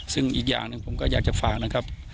ซึ่งอีกอย่างหนึ่งผมก็อยากจะฝากนะครับ